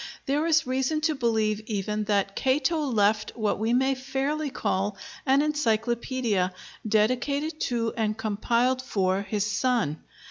There is reason to believe, even, that Cato left what we may fairly call an encyclopædia, dedicated to, and compiled for, his son.